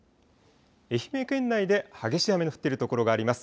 愛媛県内で激しい雨の降っている所があります。